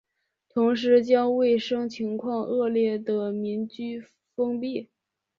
同时将卫生情况恶劣的民居封闭。